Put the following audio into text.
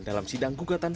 dalam sidang gugatan